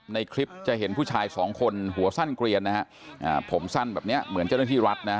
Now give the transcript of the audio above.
ในคลิปจะเห็นผู้ชายสองคนหัวสั้นเกลียนนะฮะผมสั้นแบบเนี้ยเหมือนเจ้าหน้าที่รัฐนะฮะ